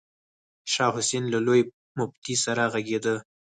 شاه حسين له لوی مفتي سره غږېده.